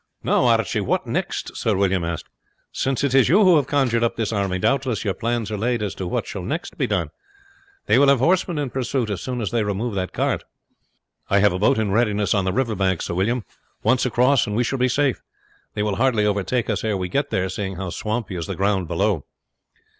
"Now, Archie, what next?" Sir William asked; "since it is you who have conjured up this army, doubtless your plans are laid as to what shall next be done. They will have horsemen in pursuit as soon as they remove the cart." "I have a boat in readiness on the river bank, Sir William. Once across and we shall be safe. They will hardly overtake us ere we get there, seeing how swampy is the ground below."